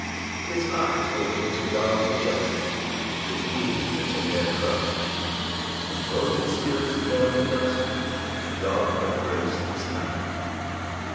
3 His eyes awake to guard the just, His ears attend their cry; When broken spirits dwell in dust, The God of grace is nigh.